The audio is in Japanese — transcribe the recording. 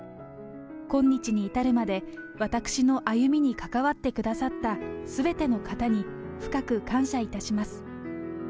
今日に至るまで、私の歩みに関わってくださったすべての方に深く感謝いたします。